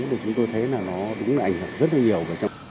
thì chúng tôi thấy là nó đúng là ảnh hưởng rất là nhiều